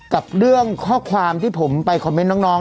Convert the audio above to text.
กับเรื่องข้อความที่ผมไปคอมเมนต์น้อง